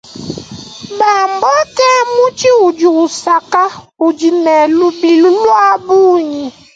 Bamboo ke mutshi udi usaka udi ne lubilu lua bungi.